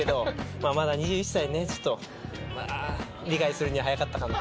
まあまだ２１歳ねちょっと理解するには早かったかなと。